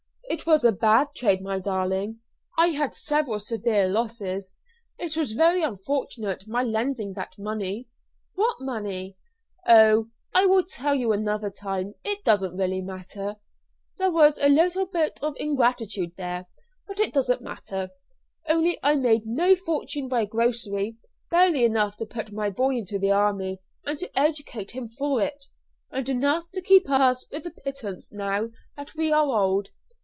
"It was a bad trade, my darling. I had several severe losses. It was very unfortunate my lending that money." "What money?" "Oh, I will tell you another time; it doesn't really matter. There was a little bit of ingratitude there, but it doesn't matter. Only I made no fortune by grocery barely enough to put my boy into the army and to educate him for it, and enough to keep us with a pittance now that we are old.